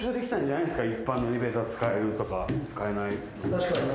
確かにな。